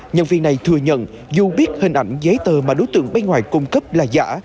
nhân viên này thừa nhận dù biết hình ảnh giấy tờ mà đối tượng bên ngoài cung cấp là giả